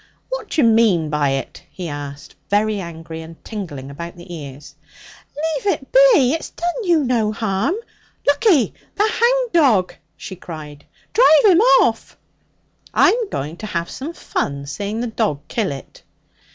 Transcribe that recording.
'What d'you mean by it?' he asked, very angry, and tingling about the ears. 'Leave it be! It's done you no harm. Lookee! The hound dog!' she cried. 'Drive him off!' 'I'm going to have some fun seeing the dog kill it.'